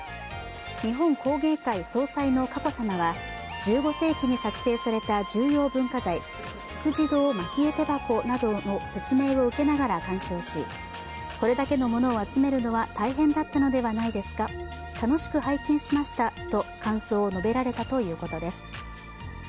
日本工芸会総裁の佳子さまは１５世紀に作成された重要文化財菊慈童蒔絵手箱などの説明を受けながら鑑賞しこれだけのものを集めるのは大変だったのではないですか、楽しく拝見しましたと感想を述べられたということです。